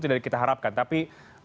tidak kita harapkan tapi